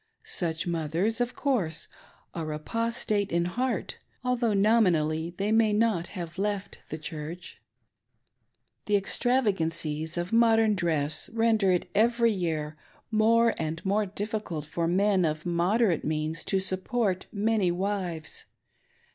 Such mothers, of course, are apostate in heart, although nominally they may not have left the Church. The extravagancies of modern dress render it every year more and more difficult for men of moderate means to support many wives.